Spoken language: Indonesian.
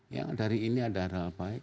yang dari ini ada hal hal baik